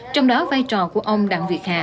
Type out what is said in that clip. trong đó vai trò của ông đặng việt hà